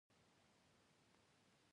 افغانستان کې د کلیو په اړه زده کړه کېږي.